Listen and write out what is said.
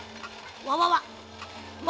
わわわ！